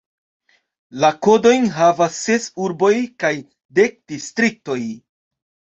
La kodojn havas ses urboj kaj dek distriktoj.